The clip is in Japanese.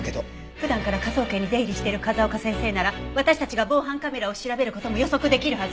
普段から科捜研に出入りしてる風丘先生なら私たちが防犯カメラを調べる事も予測できるはず。